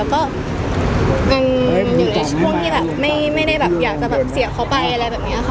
เป็นช่วงนี้ไม่ได้อยากเสียเขาไปอะไรแบบนี้นะคะ